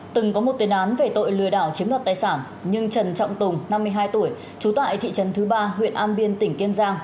từng có một tên án về tội lừa đảo chiếm đoạt tài sản nhưng trần trọng tùng năm mươi hai tuổi trú tại thị trấn thứ ba huyện an biên tỉnh kiên giang